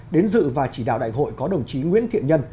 đến dự và chỉ đạo đại hội có đồng chí nguyễn thiện nhân